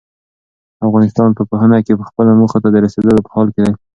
افغانستان په پوهنه کې خپلو موخو ته د رسېدو په حال کې دی.